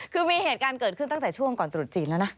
คือมีเหตุการณ์เกิดขึ้นตั้งแต่ช่วงก่อนตรุษจีนแล้วนะ